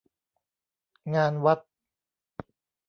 งานวัด